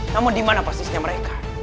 namun dimana pasisnya mereka